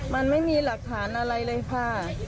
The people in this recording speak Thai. มันไม่มีหลักฐานอะไรเลยค่ะ